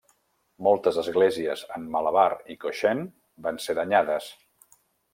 Moltes esglésies en Malabar i Cochin van ser danyades.